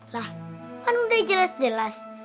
lah kan udah jelas jelas